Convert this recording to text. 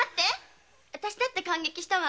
私だって感激したわ